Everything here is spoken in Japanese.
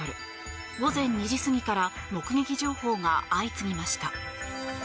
午前２時過ぎから目撃情報が相次ぎました。